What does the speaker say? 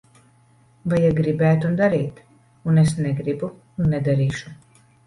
Vajag gribēt un darīt. Un es negribu un nedarīšu.